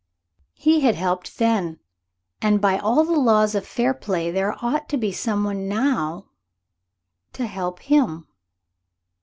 He had helped then. And by all the laws of fair play there ought to be some one now to help him.